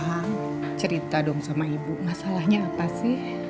tolong cerita dong sama ibu masalahnya apa sih